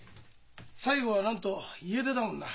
最後はなんと家出だもんな。